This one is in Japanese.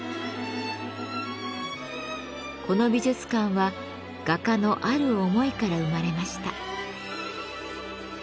この美術館は画家のある思いから生まれました。